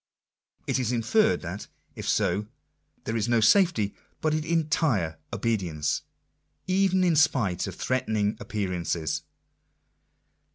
It is inferred, that if so, there is no safety but in entire obedience, even in spite of threatening appearances.